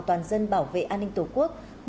toàn dân bảo vệ an ninh tổ quốc